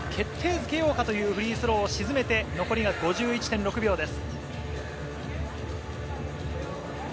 づけようかというフリースローを沈めて残りが５１．６秒です。